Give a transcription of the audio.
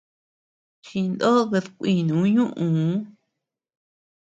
Chindod bedkuinu ñuʼuu.